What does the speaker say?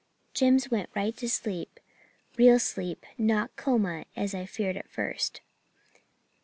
"Jims went right to sleep real sleep, not coma, as I feared at first.